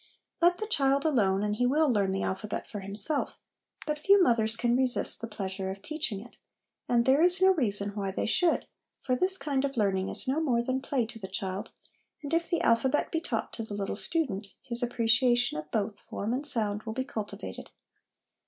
Let the child alone, and he will learn the alphabet for himself: but few mothers can resist the pleasure of teaching it ; and there is no reason why they should, for this kind of learning is no more than play to the child, and if the alphabet be taught to the little student, his appreciation of both form 2O2 HOME EDUCATION and sound will be cultivated.